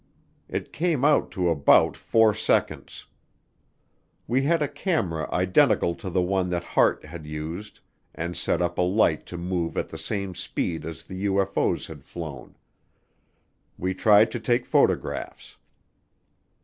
It came out to about four seconds. We had a camera identical to the one that Hart had used and set up a light to move at the same speed as the UFO's had flown. We tried to take photographs.